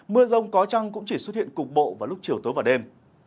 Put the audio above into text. mưa rông có trăng cũng chỉ xuất hiện cục bộ vào lúc chiều tối và đêm